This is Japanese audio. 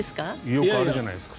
よくあるじゃないですか。